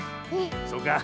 そうか。